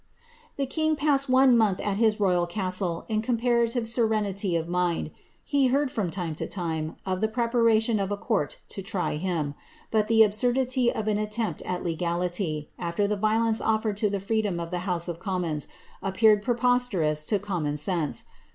The kingr passed one month at his royal castle in comparatiTe serenity of mind. He heard, from time to time, of the preparation of a court to try him ; but the absurdity of an attempt at legality, after the violence oflered to the freedom of the house of commons, appeared preposterous to common sense.